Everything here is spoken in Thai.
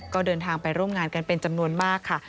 ก็เดินทางไปร่วมงานกันเป็นจำนวนมากค่ะ